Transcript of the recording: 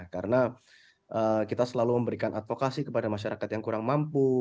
karena kita selalu memberikan advokasi kepada masyarakat yang kurang mampu